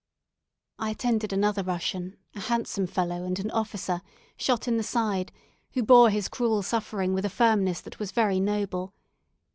I attended another Russian, a handsome fellow, and an officer, shot in the side, who bore his cruel suffering with a firmness that was very noble.